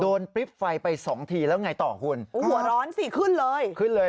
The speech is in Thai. ปริ๊บไฟไปสองทีแล้วไงต่อคุณโอ้โหหัวร้อนสิขึ้นเลยขึ้นเลย